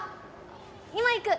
今行く！